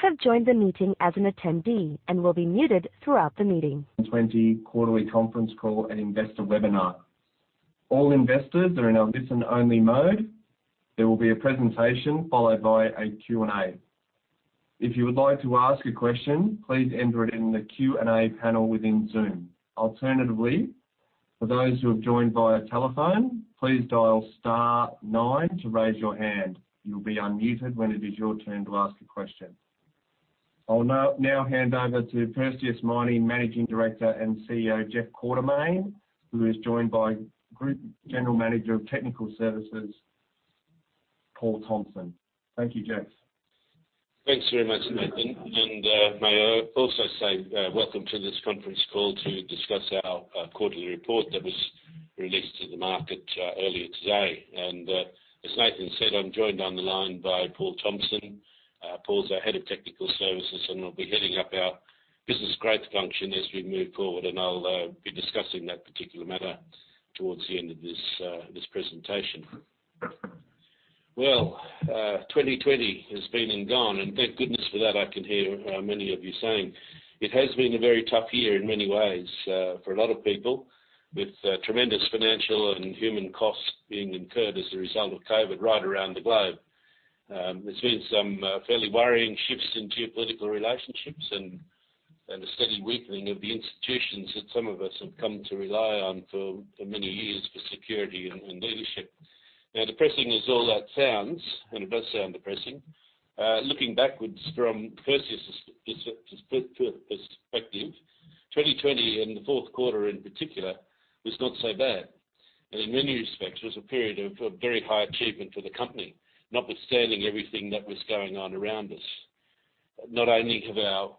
2020 quarterly conference call and investor webinar. All investors are in listen-only mode. There will be a presentation followed by a Q&A. If you would like to ask a question please enter it in the Q&A panel within Zoom. Alternatively, for those who have joined via telephone please dial star nine to raise your hand, you'll be unmuted when it is your turn to ask a question. I'll now hand over to Perseus Mining Managing Director and CEO, Jeff Quartermaine, who is joined by Group General Manager of Technical Services, Paul Thompson. Thank you, Jeff. Thanks very much, Nathan. May I also say, welcome to this conference call to discuss our quarterly report that was released to the market earlier today. As Nathan said, I'm joined on the line by Paul Thompson. Paul is our Head of Technical Services and will be heading up our business growth function as we move forward, and I'll be discussing that particular matter towards the end of this presentation. Well, 2020 has been and gone, and thank goodness for that I can hear many of you saying. It has been a very tough year in many ways for a lot of people, with tremendous financial and human costs being incurred as a result of COVID right around the globe. There's been some fairly worrying shifts in geopolitical relationships and a steady weakening of the institutions that some of us have come to rely on for many years for security and leadership. Now, depressing as all that sounds, and it does sound depressing, looking backwards from Perseus' perspective, 2020, and the fourth quarter in particular, was not so bad, and in many respects, it was a period of very high achievement for the company, notwithstanding everything that was going on around us. Not only have our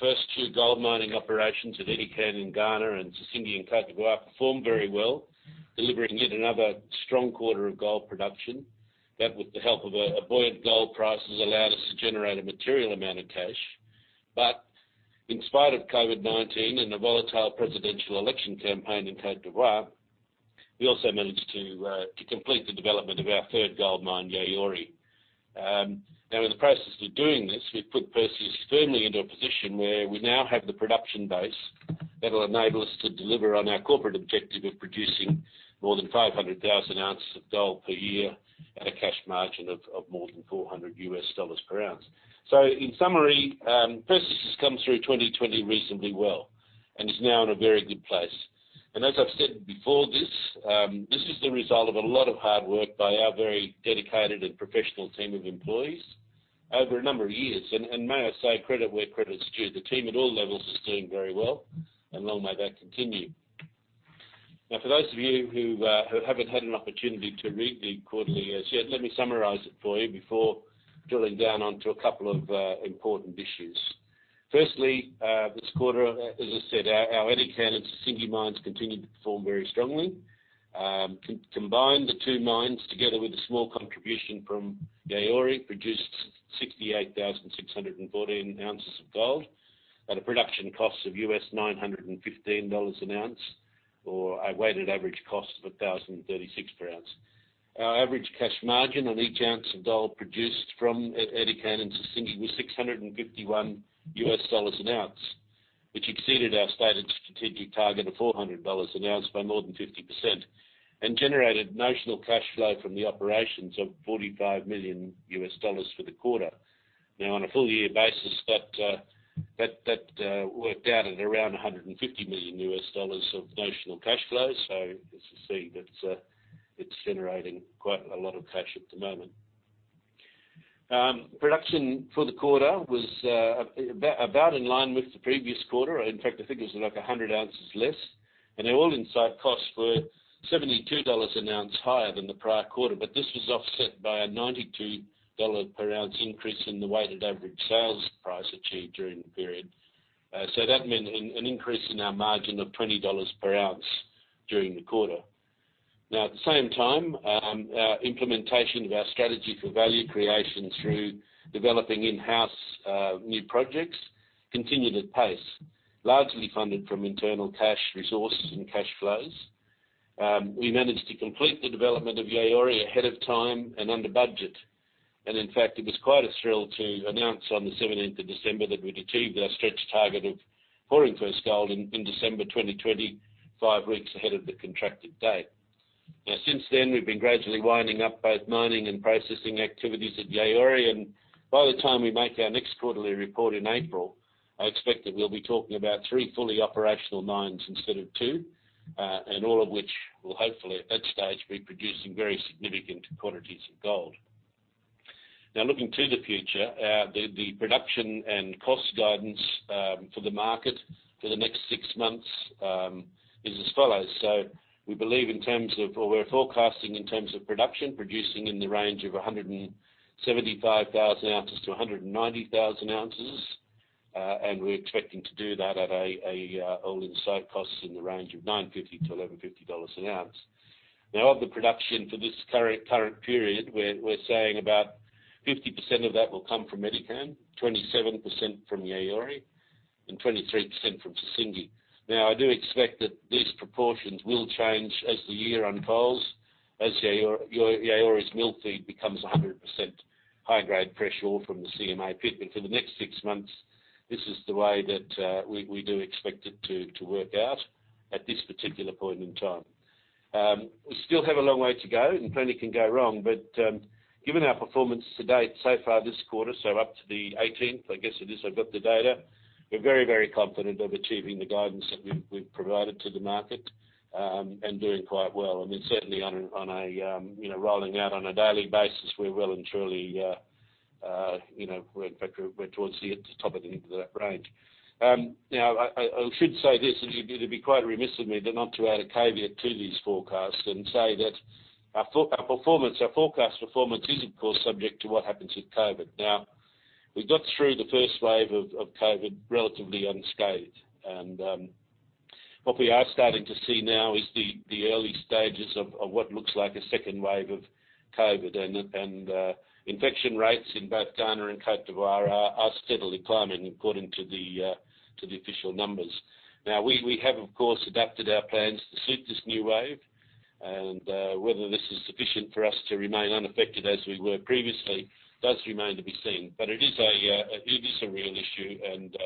first two gold mining operations at Edikan in Ghana and Sissingué in Côte d'Ivoire performed very well, delivering yet another strong quarter of gold production. That, with the help of a buoyant gold prices, allowed us to generate a material amount of cash. In spite of COVID-19 and a volatile presidential election campaign in Côte d'Ivoire, we also managed to complete the development of our third gold mine, Yaouré. In the process of doing this, we've put Perseus firmly into a position where we now have the production base that will enable us to deliver on our corporate objective of producing more than 500,000 oz of gold per year at a cash margin of more than $400 per ounce. In summary, Perseus has come through 2020 reasonably well and is now in a very good place. As I've said before this is the result of a lot of hard work by our very dedicated and professional team of employees over a number of years. May I say credit where credit's due, the team at all levels is doing very well, and long may that continue. For those of you who haven't had an opportunity to read the quarterly as yet, let me summarize it for you before drilling down onto a couple of important issues. Firstly, this quarter, as I said, our Edikan and Sissingué mines continued to perform very strongly. Combined, the two mines, together with a small contribution from Yaouré, produced 68,614 oz of gold at a production cost of $915 an ounce or a weighted average cost of $1,036 per ounce. Our average cash margin on each ounce of gold produced from Edikan and Sissingué was $651 an ounce, which exceeded our stated strategic target of $400 an ounce by more than 50% and generated notional cash flow from the operations of $45 million for the quarter. On a full year basis, that worked out at around $150 million of notional cash flow. As you see, it's generating quite a lot of cash at the moment. Production for the quarter was about in line with the previous quarter. In fact, I think it was like 100 oz less, and our all-in site costs were $72 an ounce higher than the prior quarter, but this was offset by a $92 per ounce increase in the weighted average sales price achieved during the period. That meant an increase in our margin of $20 per ounce during the quarter. Now, at the same time, our implementation of our strategy for value creation through developing in-house new projects continued at pace, largely funded from internal cash resources and cash flows. We managed to complete the development of Yaouré ahead of time and under budget. In fact, it was quite a thrill to announce on the 17th of December that we'd achieved our stretch target of pouring first gold in December 2020, five weeks ahead of the contracted date. Since then, we've been gradually winding up both mining and processing activities at Yaouré, and by the time we make our next quarterly report in April, I expect that we'll be talking about three fully operational mines instead of two, and all of which will hopefully, at that stage, be producing very significant quantities of gold. Looking to the future, the production and cost guidance for the market for the next six months is as follows. We believe in terms of, or we're forecasting in terms of production, producing in the range of 175,000 oz-190,000 oz. We're expecting to do that at all-in site costs in the range of $950-$1,150 an ounce. Of the production for this current period, we're saying about 50% of that will come from Edikan, 27% from Yaouré, and 23% from Sissingué. I do expect that these proportions will change as the year unfolds, as Yaouré's mill feed becomes 100% high-grade fresh ore from the CMA pit. For the next six months, this is the way that we do expect it to work out at this particular point in time. We still have a long way to go, and plenty can go wrong. Given our performance to date so far this quarter, so up to the 18th, I guess it is, I've got the data. We're very confident of achieving the guidance that we've provided to the market, and doing quite well. I mean, certainly rolling out on a daily basis, we're well and truly, in fact, we're towards the top end of that range. I should say this, it'd be quite remiss of me not to add a caveat to these forecasts and say that our forecast performance is, of course, subject to what happens with COVID. We got through the first wave of COVID relatively unscathed. What we are starting to see now is the early stages of what looks like a second wave of COVID. Infection rates in both Ghana and Côte d'Ivoire are steadily climbing according to the official numbers. We have, of course, adapted our plans to suit this new wave. Whether this is sufficient for us to remain unaffected as we were previously does remain to be seen. It is a real issue, and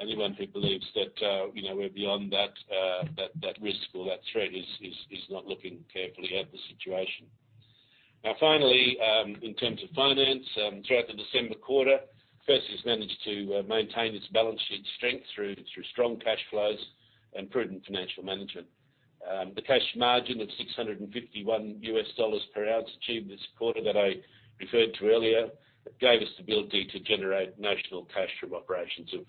anyone who believes that we're beyond that risk or that threat is not looking carefully at the situation. Finally, in terms of finance, throughout the December quarter, Perseus managed to maintain its balance sheet strength through strong cash flows and prudent financial management. The cash margin of $651 per ounce achieved this quarter that I referred to earlier, gave us the ability to generate notional cash flow from operations of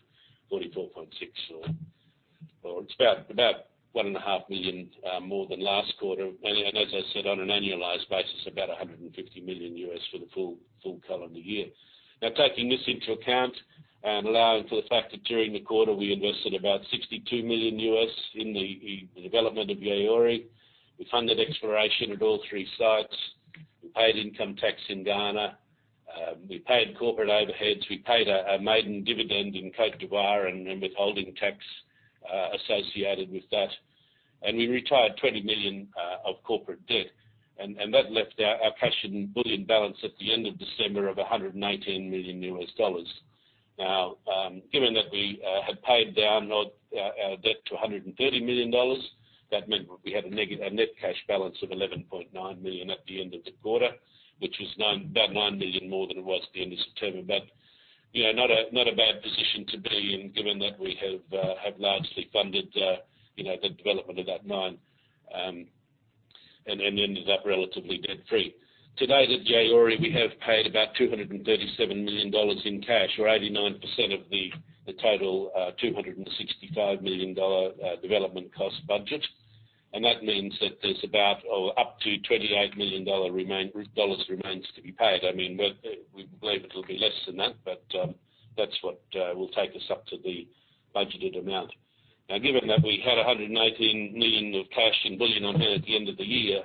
$44.6 million, or it's about $1.5 million more than last quarter. As I said, on an annualized basis, about $150 million for the full calendar year. Taking this into account and allowing for the fact that during the quarter, we invested about $62 million in the development of Yaouré. We funded exploration at all three sites. We paid income tax in Ghana. We paid corporate overheads. We paid a maiden dividend in Côte d'Ivoire and withholding tax associated with that. We retired $20 million of corporate debt. That left our cash and bullion balance at the end of December of $118 million. Given that we had paid down our debt to $130 million, that meant we had a net cash balance of $11.9 million at the end of the quarter, which was about $9 million more than it was at the end of September. Not a bad position to be in given that we have largely funded the development of that mine and ended up relatively debt-free. To date at Yaouré, we have paid about $237 million in cash or 89% of the total $265 million development cost budget. That means that there's about or up to $28 million remains to be paid. I mean, we believe it'll be less than that. That's what will take us up to the budgeted amount. Given that we had $119 million of cash and bullion on hand at the end of the year,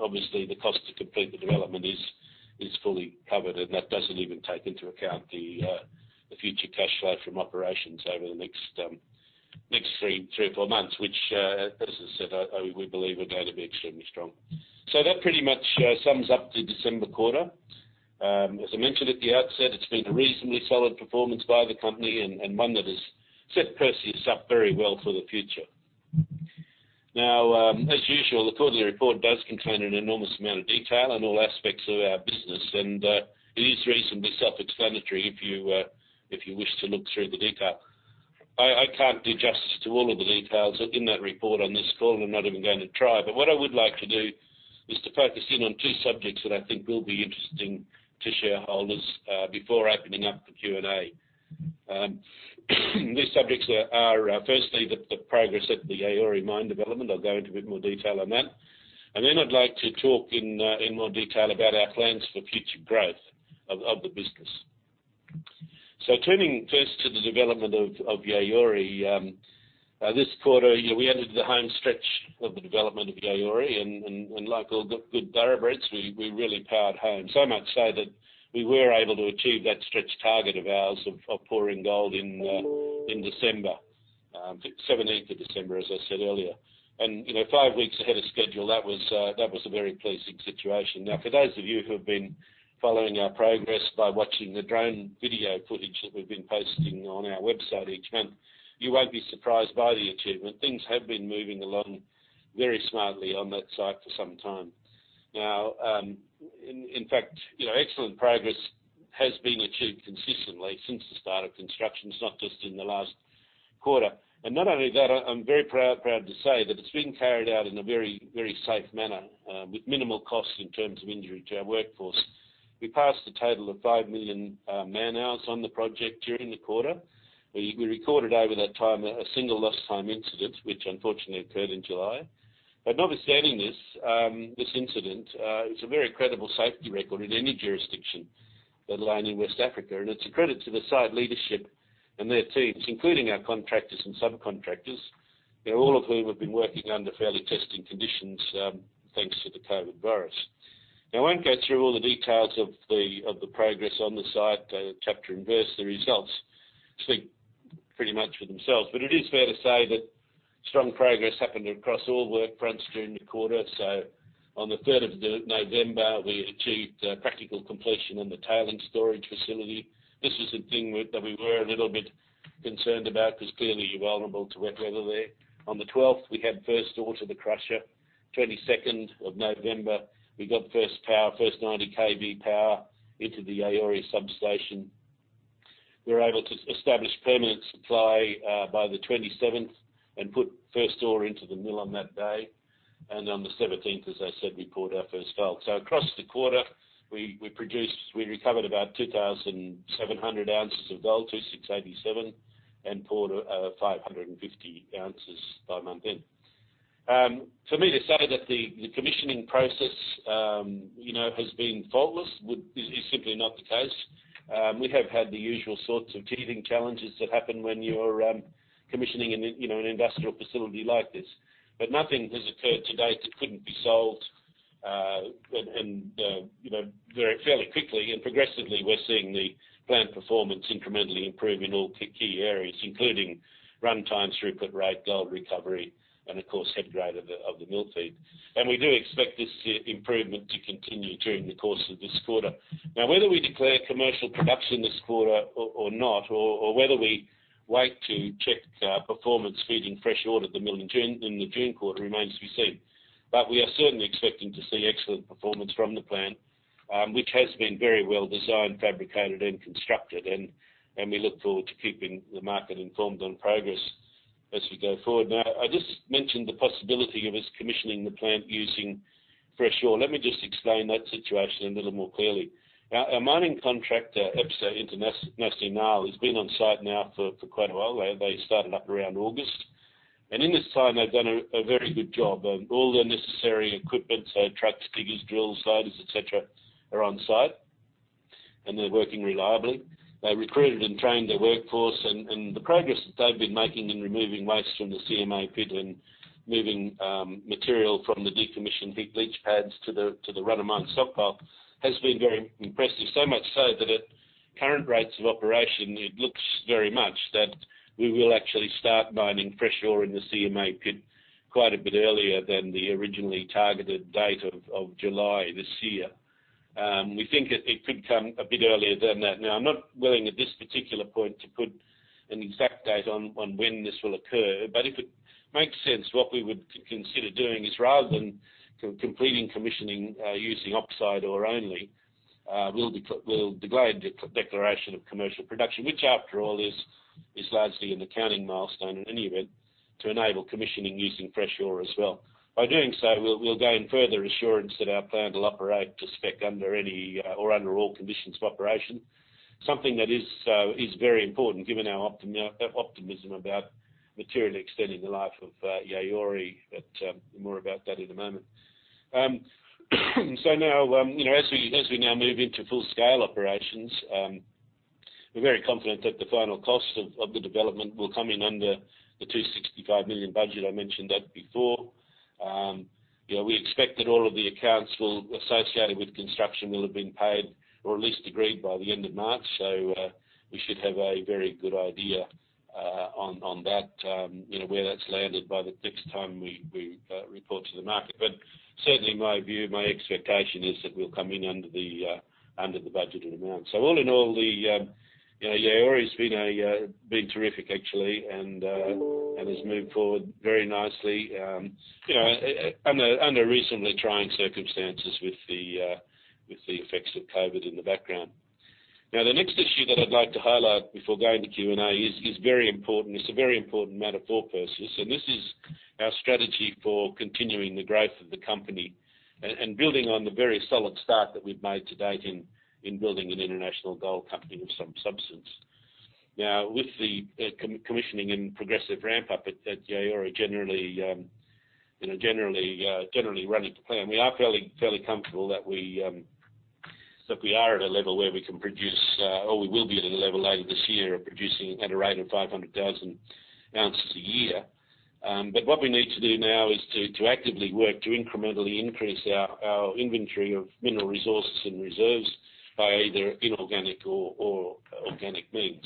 obviously the cost to complete the development is fully covered. That doesn't even take into account the future cash flow from operations over the next three or four months, which, as I said, we believe are going to be extremely strong. That pretty much sums up the December quarter. As I mentioned at the outset, it's been a reasonably solid performance by the company. One that has set Perseus up very well for the future. As usual, the quarterly report does contain an enormous amount of detail on all aspects of our business. It is reasonably self-explanatory if you wish to look through the detail. I can't do justice to all of the details in that report on this call, I'm not even going to try. What I would like to do is to focus in on two subjects that I think will be interesting to shareholders before opening up for Q&A. These subjects are firstly, the progress at the Yaouré mine development. I'll go into a bit more detail on that. Then I'd like to talk in more detail about our plans for future growth of the business. Turning first to the development of Yaouré. This quarter, we entered the home stretch of the development of Yaouré, and like all good thoroughbreds, we really powered home. Much so that we were able to achieve that stretch target of ours of pouring gold in December, 17th of December, as I said earlier. Five weeks ahead of schedule, that was a very pleasing situation. For those of you who have been following our progress by watching the drone video footage that we've been posting on our website each month, you won't be surprised by the achievement. Things have been moving along very smartly on that site for some time now. In fact, excellent progress has been achieved consistently since the start of construction. It's not just in the last quarter. Not only that, I'm very proud to say that it's been carried out in a very safe manner with minimal costs in terms of injury to our workforce. We passed a total of 5 million man-hours on the project during the quarter. We recorded over that time a single lost time incident, which unfortunately occurred in July. Notwithstanding this incident, it's a very credible safety record in any jurisdiction, let alone in West Africa. It's a credit to the site leadership and their teams, including our contractors and subcontractors. All of whom have been working under fairly testing conditions, thanks to the COVID virus. I won't go through all the details of the progress on the site chapter and verse. The results speak pretty much for themselves. It is fair to say that strong progress happened across all work fronts during the quarter. On the 3rd of November, we achieved practical completion on the tailings storage facility. This was the thing that we were a little bit concerned about, because clearly you're vulnerable to wet weather there. On the 12th, we had first ore to the crusher. 22nd of November, we got first power, first 90 kV power into the Yaouré substation. We were able to establish permanent supply by the 27th and put first ore into the mill on that day. On the 17th, as I said, we poured our first gold. Across the quarter, we recovered about 2,700 oz of gold, 2,687, and poured 550 oz by month-end. For me to say that the commissioning process has been faultless is simply not the case. We have had the usual sorts of teething challenges that happen when you're commissioning an industrial facility like this. Nothing has occurred to date that couldn't be solved fairly quickly, and progressively, we're seeing the plant performance incrementally improve in all key areas, including runtime throughput rate, gold recovery, and of course, head grade of the mill feed. We do expect this improvement to continue during the course of this quarter. Whether we declare commercial production this quarter or not, or whether we wait to check performance feeding fresh ore at the mill in the June quarter remains to be seen. We are certainly expecting to see excellent performance from the plant, which has been very well designed, fabricated, and constructed, and we look forward to keeping the market informed on progress as we go forward. I just mentioned the possibility of us commissioning the plant using fresh ore. Let me just explain that situation a little more clearly. Our mining contractor, EPSA Internacional, has been on site now for quite a while. They started up around August. In this time they've done a very good job. All the necessary equipment, so trucks, diggers, drills, loaders, et cetera, are on site, and they're working reliably. They recruited and trained their workforce. The progress that they've been making in removing waste from the CMA pit and moving material from the decommissioned heap leach pads to the run of mine stockpile has been very impressive. Much so that at current rates of operation, it looks very much that we will actually start mining fresh ore in the CMA pit quite a bit earlier than the originally targeted date of July this year. We think it could come a bit earlier than that. I'm not willing at this particular point to put an exact date on when this will occur, but if it makes sense, what we would consider doing is rather than completing commissioning using oxide ore only, we'll delay the declaration of commercial production, which after all is largely an accounting milestone in any event, to enable commissioning using fresh ore as well. By doing so, we'll gain further assurance that our plant will operate to spec under any, or under all conditions of operation. Something that is very important given our optimism about materially extending the life of Yaouré, but more about that in a moment. As we now move into full scale operations, we're very confident that the final cost of the development will come in under the $265 million budget. I mentioned that before. We expect that all of the accounts associated with construction will have been paid or at least agreed by the end of March. We should have a very good idea on that, where that's landed by the next time we report to the market. Certainly my view, my expectation is that we'll come in under the budgeted amount. All in all, Yaouré's been terrific actually and has moved forward very nicely under reasonably trying circumstances with the effects of COVID in the background. The next issue that I'd like to highlight before going to Q&A is very important. It's a very important matter for Perseus, and this is our strategy for continuing the growth of the company and building on the very solid start that we've made to date in building an international gold company of some substance. With the commissioning and progressive ramp-up at Yaouré generally running to plan, we are fairly comfortable that we are at a level where we can produce, or we will be at a level later this year of producing at a rate of 500,000 oz a year. What we need to do now is to actively work to incrementally increase our inventory of Mineral Resources and Ore Reserves by either inorganic or organic means.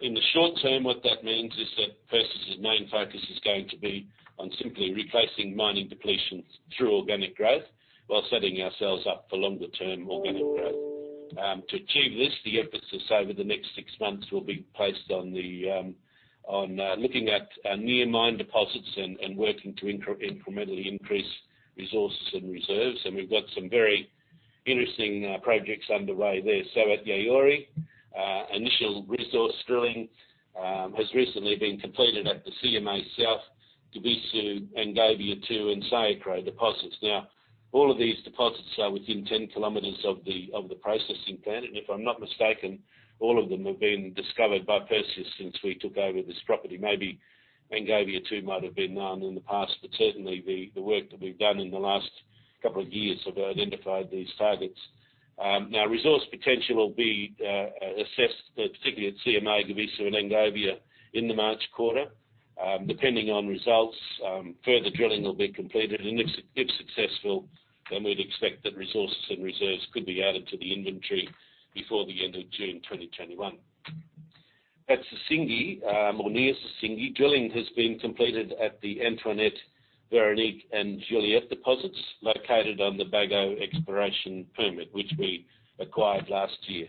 In the short term, what that means is that Perseus' main focus is going to be on simply replacing mining depletions through organic growth while setting ourselves up for longer term organic growth. To achieve this, the emphasis over the next six months will be placed on looking at near mine deposits and working to incrementally increase Mineral Resources and Ore Reserves. We've got some very interesting projects underway there. At Yaouré, initial resource drilling has recently been completed at the CMA South, Govisou, Angovia 2, and Sayikro deposits. All of these deposits are within 10 km of the processing plant, and if I'm not mistaken, all of them have been discovered by Perseus since we took over this property. Maybe Angovia 2 might have been known in the past, but certainly the work that we've done in the last couple of years have identified these targets. Resource potential will be assessed, particularly at CMA South, Govisou, and Angovia 2 in the March quarter. Depending on results, further drilling will be completed, and if successful, then we'd expect that Mineral Resources and Ore Reserves could be added to the inventory before the end of June 2021. At Sissingué, or near Sissingué, drilling has been completed at the Antoinette, Véronique, and Juliette deposits located on the Bagoé exploration permit, which we acquired last year.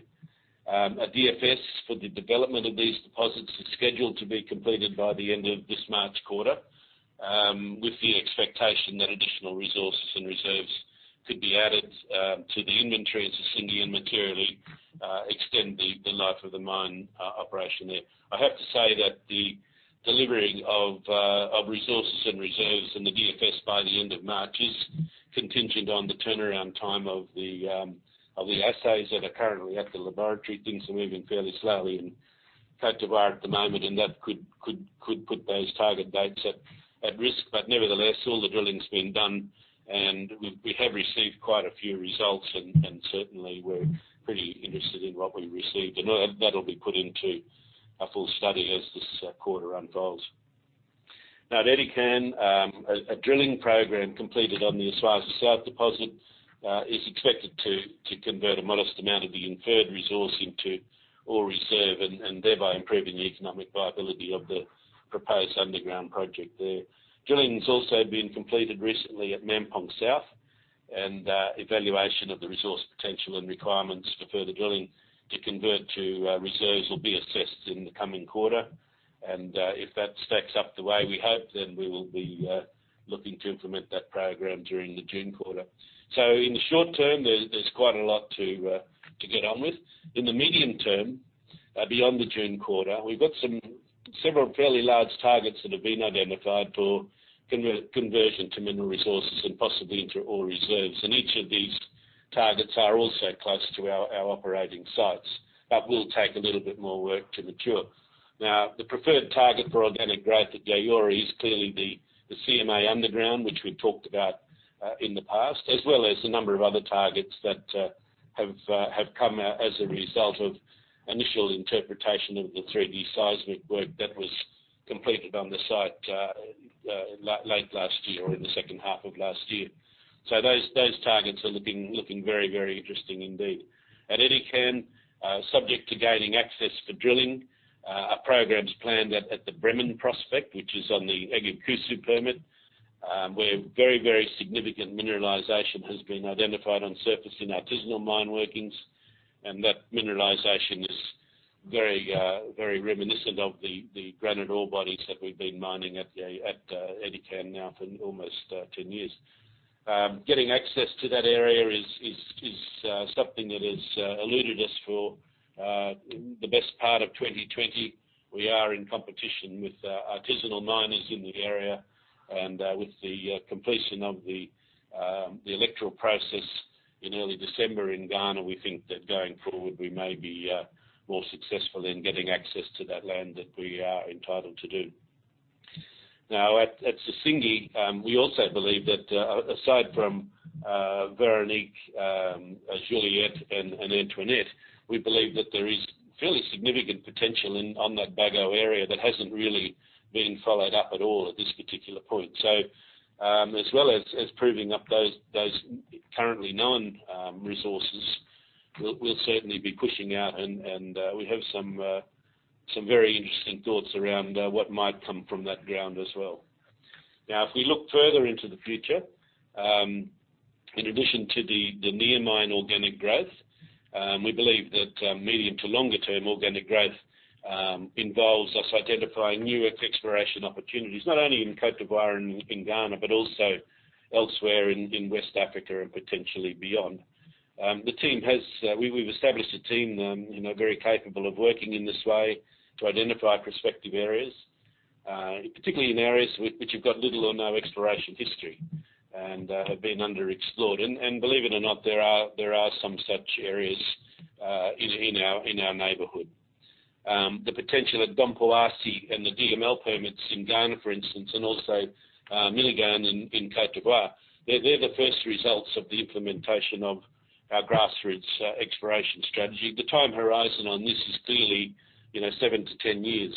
A DFS for the development of these deposits is scheduled to be completed by the end of this March quarter, with the expectation that additional resources and reserves could be added to the inventory at Sissingué and materially extend the life of the mine operation there. I have to say that the delivery of resources and reserves in the DFS by the end of March is contingent on the turnaround time of the assays that are currently at the laboratory. Things are moving fairly slowly in Côte d'Ivoire at the moment, that could put those target dates at risk. Nevertheless, all the drilling's been done, we have received quite a few results and certainly we're pretty interested in what we received. That'll be put into a full study as this quarter unfolds. Now at Edikan, a drilling program completed on the Esuajah South deposit, is expected to convert a modest amount of the Inferred Mineral Resource into Ore Reserve, and thereby improving the economic viability of the proposed underground project there. Drilling's also been completed recently at Mampong South, evaluation of the resource potential and requirements for further drilling to convert to Ore Reserves will be assessed in the coming quarter. If that stacks up the way we hope, then we will be looking to implement that program during the June quarter. In the short term, there's quite a lot to get on with. In the medium term, beyond the June quarter, we've got several fairly large targets that have been identified for conversion to Mineral Resources and possibly into Ore Reserves. Each of these targets are also close to our operating sites, but will take a little bit more work to mature. The preferred target for organic growth at Yaouré is clearly the CMA Underground, which we've talked about in the past, as well as a number of other targets that have come as a result of initial interpretation of the 3D seismic work that was completed on the site late last year or in the second half of last year. Those targets are looking very interesting indeed. At Edikan, subject to gaining access for drilling, a program's planned at the Breman prospect, which is on the Agyakusu permit, where very significant mineralization has been identified on surface in artisanal mine workings. That mineralization is very reminiscent of the granite ore bodies that we've been mining at Edikan now for almost 10 years. Getting access to that area is something that has eluded us for the best part of 2020. We are in competition with artisanal miners in the area. With the completion of the electoral process in early December in Ghana, we think that going forward, we may be more successful in getting access to that land that we are entitled to do. Now at Sissingué, we also believe that, aside from Véronique, Juliette, and Antoinette, we believe that there is fairly significant potential on that Bagoé area that hasn't really been followed up at all at this particular point. As well as proving up those currently known Mineral Resources, we'll certainly be pushing out and we have some very interesting thoughts around what might come from that ground as well. If we look further into the future, in addition to the near mine organic growth, we believe that medium to longer-term organic growth involves us identifying new exploration opportunities, not only in Côte d'Ivoire and in Ghana, but also elsewhere in West Africa and potentially beyond. We've established a team very capable of working in this way to identify prospective areas, particularly in areas which have got little or no exploration history and have been underexplored. Believe it or not, there are some such areas in our neighborhood. The potential at Dompoase and the DML permits in Ghana, for instance, and also Minignan in Côte d'Ivoire, they're the first results of the implementation of our grassroots exploration strategy. The time horizon on this is clearly 7-10 years.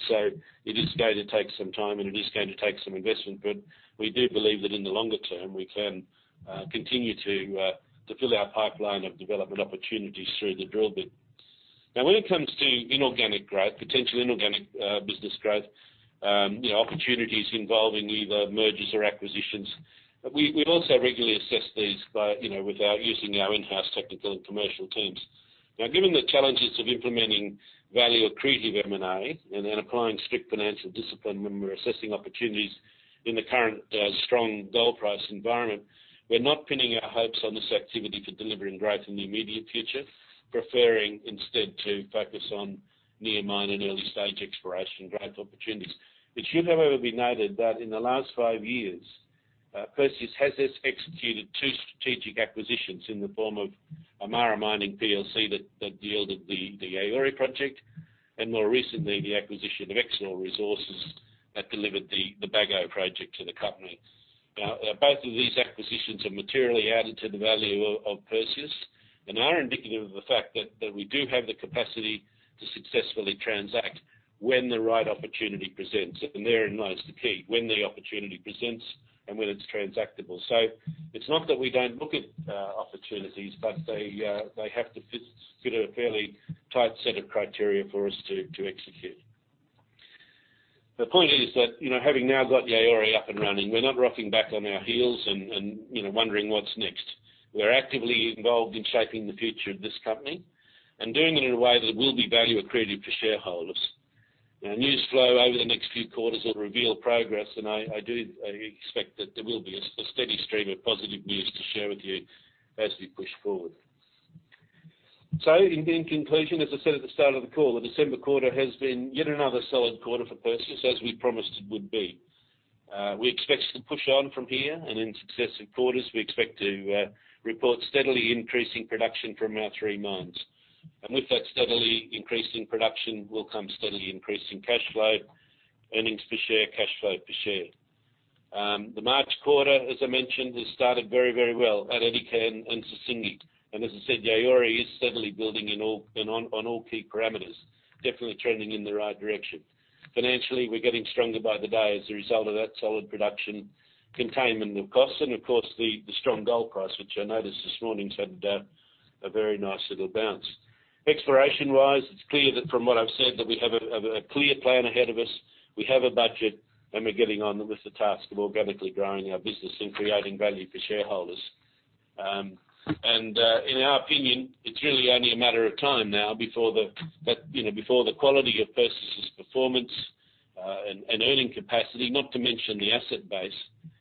It is going to take some time, and it is going to take some investment, but we do believe that in the longer term, we can continue to fill our pipeline of development opportunities through the drill bit. When it comes to potential inorganic business growth, opportunities involving either mergers or acquisitions, we've also regularly assessed these using our in-house technical and commercial teams. Given the challenges of implementing value-accretive M&A and applying strict financial discipline when we're assessing opportunities in the current strong gold price environment, we're not pinning our hopes on this activity for delivering growth in the immediate future. Preferring instead to focus on near mine and early-stage exploration growth opportunities. It should, however, be noted that in the last five years, Perseus has executed two strategic acquisitions in the form of Amara Mining PLC that yielded the Yaouré project. More recently, the acquisition of Exore Resources that delivered the Bagoé project to the company. Both of these acquisitions have materially added to the value of Perseus and are indicative of the fact that we do have the capacity to successfully transact when the right opportunity presents. Therein lies the key, when the opportunity presents and when it's transactable. It's not that we don't look at opportunities, but they have to fit a fairly tight set of criteria for us to execute. The point is that, having now got Yaouré up and running, we're not rocking back on our heels and wondering what's next. We're actively involved in shaping the future of this company and doing it in a way that will be value accretive for shareholders. News flow over the next few quarters will reveal progress, and I do expect that there will be a steady stream of positive news to share with you as we push forward. In conclusion, as I said at the start of the call, the December quarter has been yet another solid quarter for Perseus, as we promised it would be. We expect to push on from here, and in successive quarters, we expect to report steadily increasing production from our three mines. With that steadily increasing production will come steadily increasing cash flow, earnings per share, cash flow per share. The March quarter, as I mentioned, has started very, very well at Edikan and Sissingué. As I said, Yaouré is steadily building on all key parameters, definitely trending in the right direction. Financially, we're getting stronger by the day as a result of that solid production, containment of costs, and of course, the strong gold price, which I noticed this morning has had a very nice little bounce. Exploration-wise, it's clear that from what I've said that we have a clear plan ahead of us. We have a budget, and we're getting on with the task of organically growing our business and creating value for shareholders. In our opinion, it's really only a matter of time now before the quality of Perseus's performance, and earning capacity, not to mention the asset base,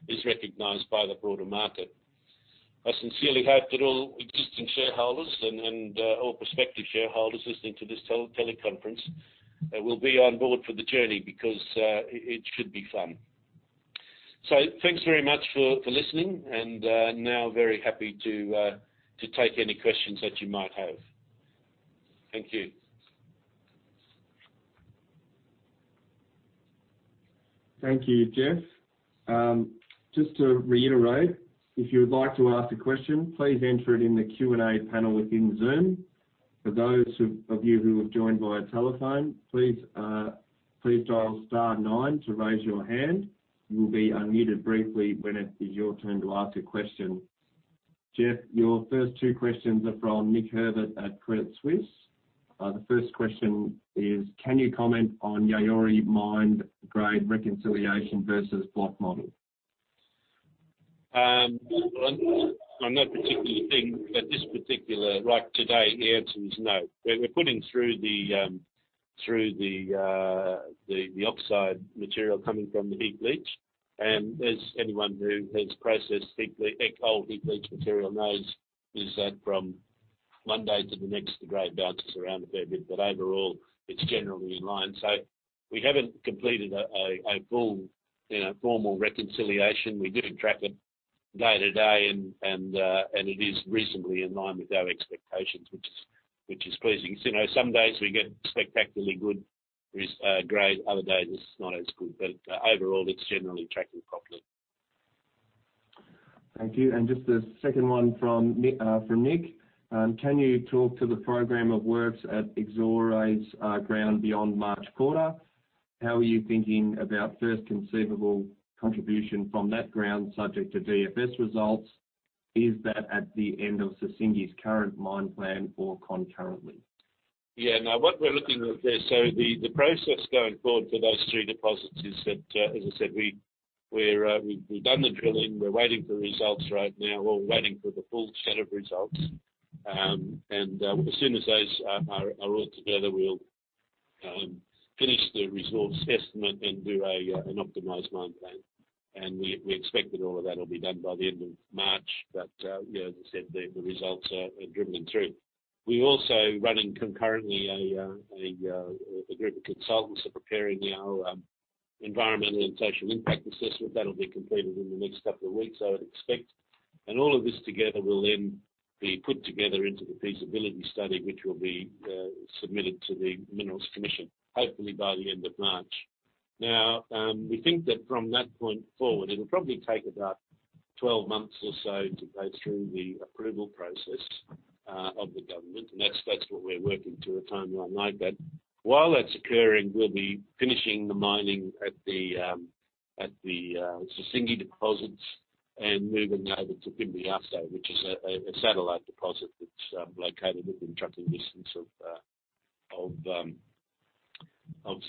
is recognized by the broader market. I sincerely hope that all existing shareholders and all prospective shareholders listening to this teleconference will be on board for the journey because it should be fun. Thanks very much for listening, and now very happy to take any questions that you might have. Thank you. Thank you, Jeff. Just to reiterate, if you would like to ask a question, please enter it in the Q&A panel within Zoom. For those of you who have joined via telephone, please dial star nine to raise your hand. You will be unmuted briefly when it is your turn to ask a question. Jeff, your first two questions are from Nick Herbert at Credit Suisse. The first question is: Can you comment on Yaouré mined grade reconciliation versus block model? On that particular thing, at this particular, like today, the answer is no. We're putting through the oxide material coming from the heap leach. As anyone who has processed heap leach, old heap leach material knows is that from one day to the next, the grade bounces around a fair bit, but overall, it's generally in line. We haven't completed a full formal reconciliation. We do track it day to day, and it is reasonably in line with our expectations, which is pleasing. Some days we get spectacularly good grade, other days it's not as good, but overall, it's generally tracking properly. Thank you. Just the second one from Nick. Can you talk to the program of works at Exore's ground beyond March quarter? How are you thinking about first conceivable contribution from that ground subject to DFS results? Is that at the end of Sissingué's current mine plan or concurrently? Yeah. What we're looking at there, the process going forward for those three deposits is that, as I said, we've done the drilling, we're waiting for results right now. We're waiting for the full set of results. As soon as those are all together, we'll finish the resource estimate and do an optimized mine plan. We expect that all of that will be done by the end of March. As I said, the results are driven through. We're also running concurrently, a group of consultants are preparing our environmental and social impact assessment. That'll be completed in the next couple of weeks, I would expect. All of this together will then be put together into the feasibility study, which will be submitted to the Minerals Commission, hopefully by the end of March. We think that from that point forward, it'll probably take about 12 months or so to go through the approval process of the government. That's what we're working to, a timeline like that. While that's occurring, we'll be finishing the mining at the Sissingué deposits and moving over to Fimbiasso, which is a satellite deposit that's located within trucking distance of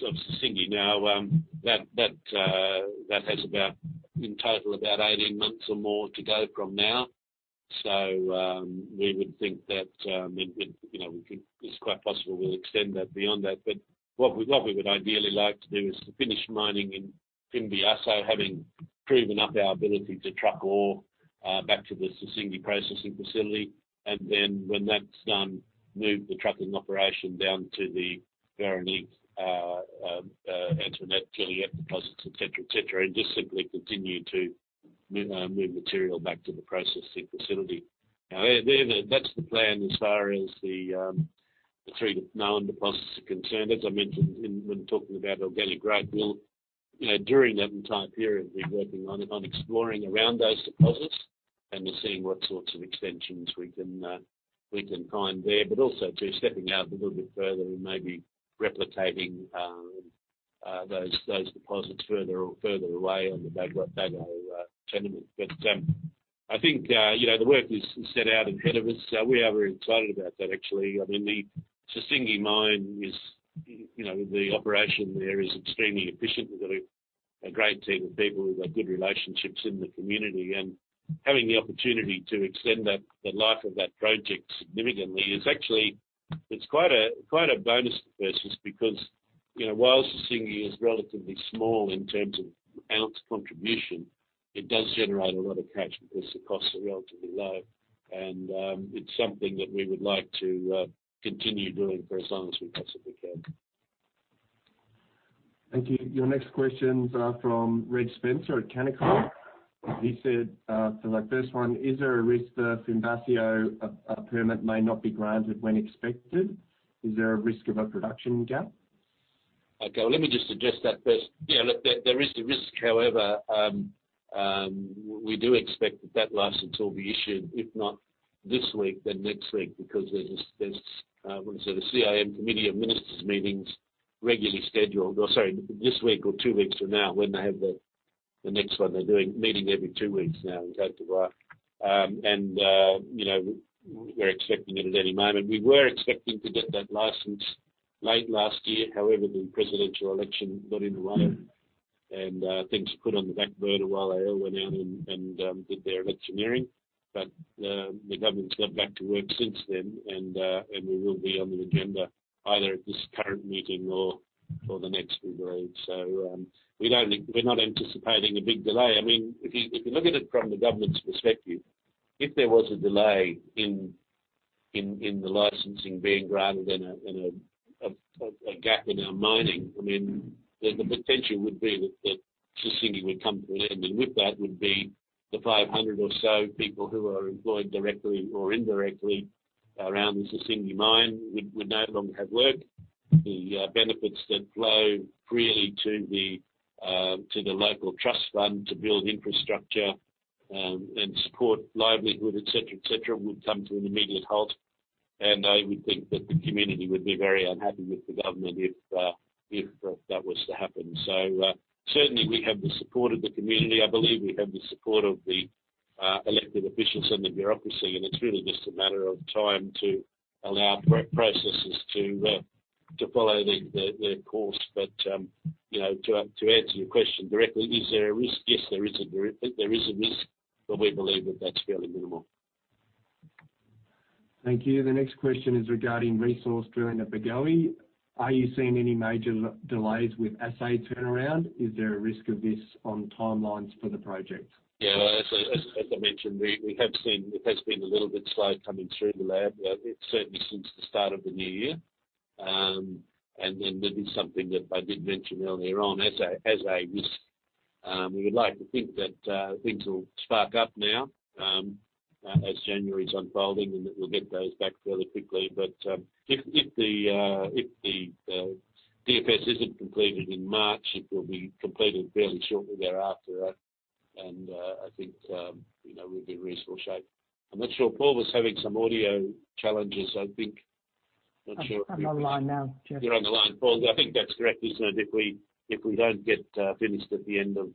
Sissingué. That has about, in total, about 18 months or more to go from now. We would think that it's quite possible we'll extend that beyond that. What we would ideally like to do is to finish mining in Fimbiasso, having proven up our ability to truck ore back to the Sissingué processing facility. Then when that's done, move the trucking operation down to the Véronique, Antoinette, Juliette deposits, et cetera, et cetera, and just simply continue to move material back to the processing facility. That's the plan as far as the three known deposits are concerned. As I mentioned when talking about organic growth, we'll, during that entire period, be working on exploring around those deposits and just seeing what sorts of extensions we can find there. Also too, stepping out a little bit further and maybe replicating those deposits further away on the Bagoé tenement. I think, the work is set out ahead of us. We are very excited about that, actually. I mean, the Sissingué mine is, the operation there is extremely efficient. We've got a great team of people who've got good relationships in the community. Having the opportunity to extend the life of that project significantly is actually, it's quite a bonus for Perseus because whilst Sissingué is relatively small in terms of ounce contribution, it does generate a lot of cash because the costs are relatively low. It's something that we would like to continue doing for as long as we possibly can. Thank you. Your next questions are from Reg Spencer at Canaccord. He said, for the first one: Is there a risk the Fimbiasso permit may not be granted when expected? Is there a risk of a production gap? Okay. Well, let me just address that first. Yeah, look, there is a risk. However, we do expect that that license will be issued, if not this week, then next week, because there's the CIM, Conseil des Ministres meetings regularly scheduled. Sorry, this week or two weeks from now when they have the next one. They're meeting every two weeks now in Côte d'Ivoire. We're expecting it at any moment. We were expecting to get that license late last year. However, the presidential election got in the way of it and things were put on the back burner while they all went out and did their electioneering. The government's got back to work since then, and we will be on the agenda either at this current meeting or the next, we believe. We're not anticipating a big delay. If you look at it from the government's perspective, if there was a delay in the licensing being granted and a gap in our mining, I mean, the potential would be that Sissingué would come to an end. With that would be the 500 or so people who are employed directly or indirectly around the Sissingué mine would no longer have work. The benefits that flow freely to the local trust fund to build infrastructure, and support livelihood, et cetera, would come to an immediate halt. I would think that the community would be very unhappy with the government if that was to happen. Certainly we have the support of the community. I believe we have the support of the elected officials and the bureaucracy, and it's really just a matter of time to allow processes to follow their course. To answer your question directly, is there a risk? Yes, there is a risk. We believe that that's fairly minimal. Thank you. The next question is regarding resource drilling at Bagoé. Are you seeing any major delays with assay turnaround? Is there a risk of this on timelines for the project? Yeah. As I mentioned, it has been a little bit slow coming through the lab. Certainly since the start of the new year. That is something that I did mention earlier on as a risk. We would like to think that things will spark up now, as January is unfolding and that we'll get those back fairly quickly. If the DFS isn't completed in March, it will be completed fairly shortly thereafter. I think, we'll be in reasonable shape. I'm not sure, Paul was having some audio challenges, I think. I'm online now, Jeff. You're online, Paul. I think that's correct, isn't it? If we don't get finished at the end of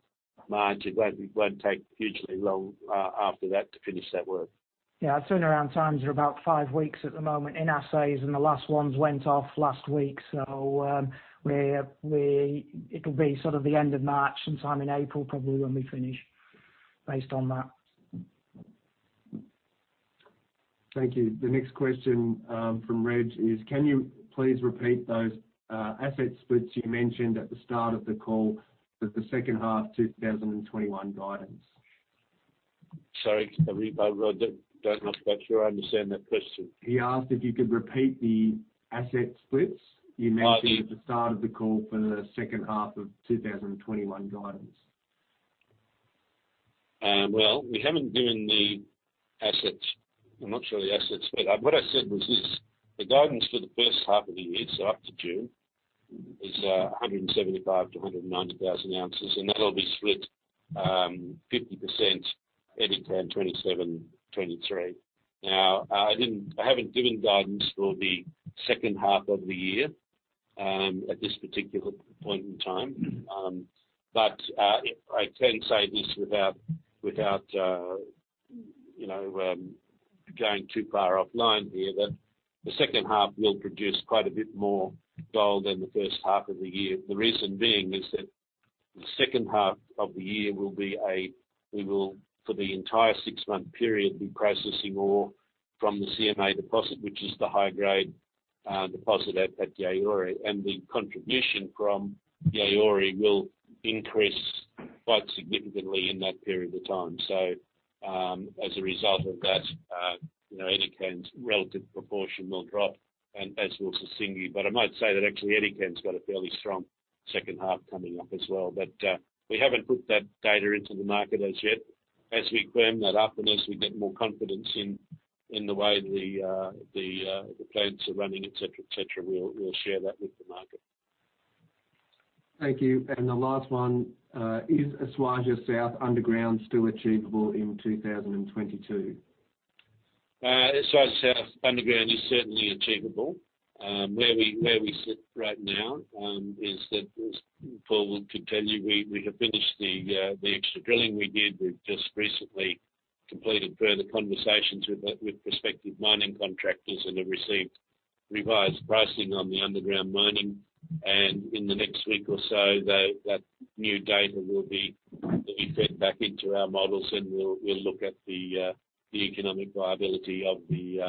March, it won't take hugely long after that to finish that work. Yeah. Turnaround times are about five weeks at the moment in assays, and the last ones went off last week. It'll be sort of the end of March, some time in April probably when we finish based on that. Thank you. The next question from Reg is, can you please repeat those asset splits you mentioned at the start of the call for the second half 2021 guidance? Sorry, I'm not quite sure I understand that question. He asked if you could repeat the asset splits you mentioned. Right. At the start of the call for the second half of 2021 guidance. Well, we haven't given the assets. Well, not surely assets, what I said was this. The guidance for the first half of the year, up to June, is 175,000 oz-190,000 oz. That'll be split 50% Edikan, 27%, 23%. I haven't given guidance for the second half of the year, at this particular point in time. I can say this without going too far offline here, that the second half will produce quite a bit more gold than the first half of the year. The reason being is that the second half of the year will, for the entire six-month period, be processing ore from the CMA deposit, which is the high-grade deposit at Yaouré. The contribution from Yaouré will increase quite significantly in that period of time. As a result of that, Edikan's relative proportion will drop, and as will Sissingué. I might say that actually Edikan's got a fairly strong second half coming up as well. We haven't put that data into the market as yet. As we firm that up and as we get more confidence in the way the plants are running, et cetera, we'll share that with the market. Thank you. The last one, is Esuajah South underground still achievable in 2022? Esuajah South underground is certainly achievable. Where we sit right now, is that, as Paul will confirm, we have finished the extra drilling we did. We've just recently completed further conversations with prospective mining contractors and have received revised pricing on the underground mining. In the next week or so, that new data will be fed back into our models and we'll look at the economic viability of the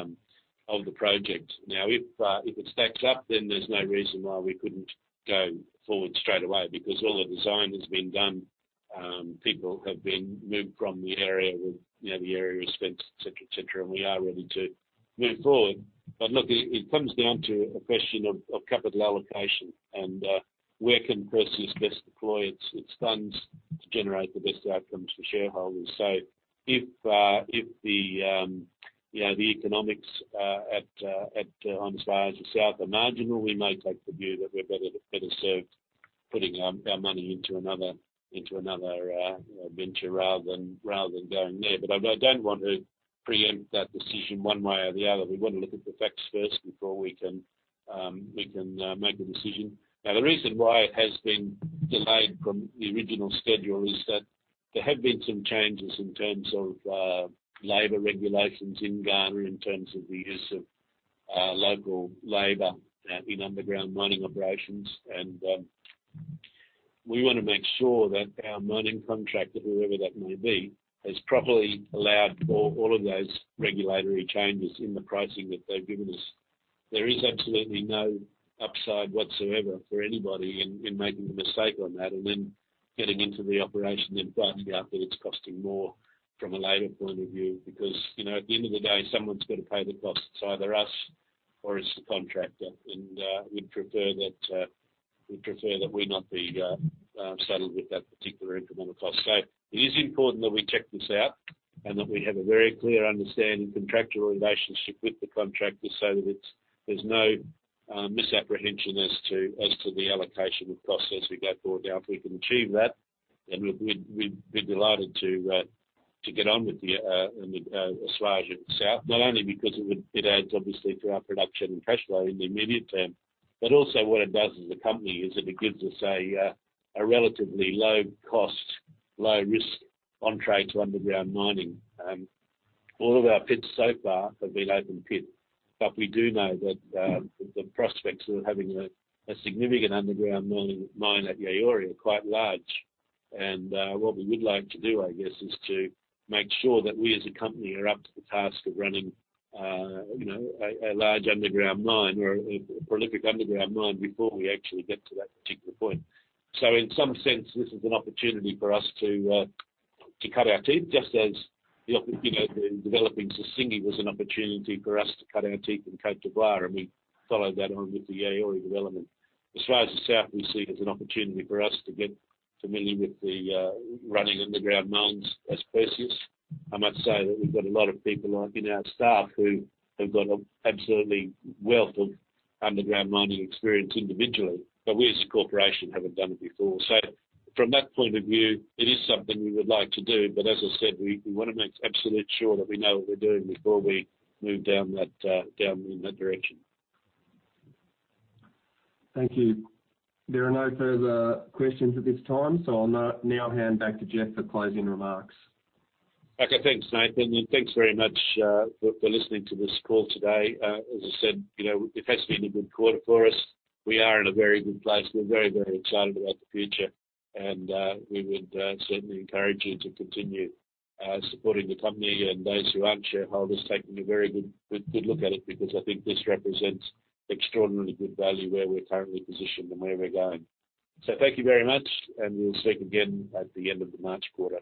project. If it stacks up, then there's no reason why we couldn't go forward straight away, because all the design has been done. People have been moved from the area, the area is fenced, et cetera. We are ready to move forward. Look, it comes down to a question of capital allocation and, where can Perseus best deploy its funds to generate the best outcomes for shareholders. If the economics at Esuajah South are marginal, we may take the view that we're better served putting our money into another venture rather than going there. I don't want to preempt that decision one way or the other. We want to look at the facts first before we can make a decision. The reason why it has been delayed from the original schedule is that there have been some changes in terms of labor regulations in Ghana, in terms of the use of local labor in underground mining operations. We want to make sure that our mining contractor, whoever that may be, has properly allowed for all of those regulatory changes in the pricing that they've given us. There is absolutely no upside whatsoever for anybody in making a mistake on that and then getting into the operation, then finding out that it's costing more from a labor point of view. At the end of the day, someone's got to pay the costs, it's either us or it's the contractor. We'd prefer that we not be saddled with that particular incremental cost. It is important that we check this out and that we have a very clear understanding, contractual relationship with the contractor, so that there's no misapprehension as to the allocation of costs as we go forward. If we can achieve that, then we'd be delighted to get on with Esuajah South. Not only because it adds obviously to our production and cash flow in the immediate term, but also what it does as a company is that it gives us a relatively low cost, low risk on track to underground mining. All of our pits so far have been open pit. We do know that the prospects of having a significant underground mine at Yaouré are quite large. What we would like to do, I guess, is to make sure that we as a company are up to the task of running a large underground mine or a prolific underground mine before we actually get to that particular point. In some sense, this is an opportunity for us to cut our teeth just as developing Sissingué was an opportunity for us to cut our teeth in Côte d'Ivoire, and we followed that on with the Yaouré development. Esuajah South we see as an opportunity for us to get familiar with the running underground mines as Perseus. I must say that we've got a lot of people in our staff who have got absolutely wealth of underground mining experience individually. We as a corporation haven't done it before. From that point of view, it is something we would like to do. As I said, we want to make absolute sure that we know what we're doing before we move down in that direction. Thank you. There are no further questions at this time. I'll now hand back to Jeff for closing remarks. Okay. Thanks, Nathan. Thanks very much for listening to this call today. As I said, it has been a good quarter for us. We are in a very good place. We're very excited about the future. We would certainly encourage you to continue supporting the company and those who aren't shareholders, taking a very good look at it because I think this represents extraordinarily good value where we're currently positioned and where we're going. Thank you very much, and we'll speak again at the end of the March quarter.